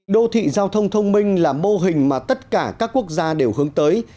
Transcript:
đô thị giao thông thông minh là mô hình mà tất cả các quốc gia đều hướng tới